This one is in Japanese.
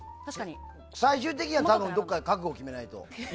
最終的にはどこかで覚悟決めないと。